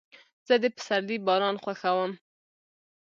زه د پسرلي باران خوښوم.